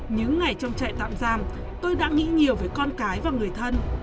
những ngày trong trại tạm giam tôi đã nghĩ nhiều với con cái và người thân